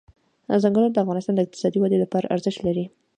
ځنګلونه د افغانستان د اقتصادي ودې لپاره ارزښت لري.